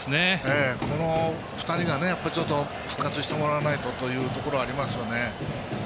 この２人がちょっと復活してもらわないとというところありますよね。